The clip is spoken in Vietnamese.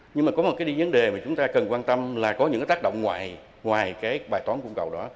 nhưng mà có một cái vấn đề mà chúng ta cần quan tâm là có những tác động ngoài bài toán cung cầu đó